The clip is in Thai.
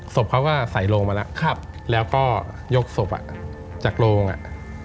ศพเขาก็ใส่โรงมาแล้วก็ลงศพออกค่ะแล้วก็โยกศพอ่ะจากโรงอ่ะ